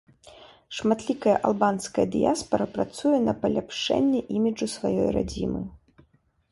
Шматлікая албанская дыяспара працуе на паляпшэнне іміджу сваёй радзімы.